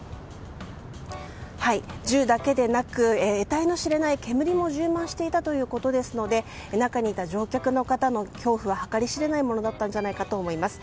銃だけでなく得体の知れない煙も充満していたということですので中にいた乗客の方の恐怖は計り知れないものだったんじゃないかと思います。